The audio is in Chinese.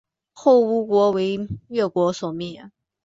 后吴国为越国所灭。